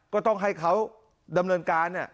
ก็ต้องให้เขาดำเนินการ